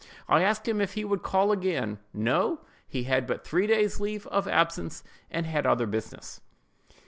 I asked him if he would call again. "No;" he had but three days' leave of absence, and he had other business.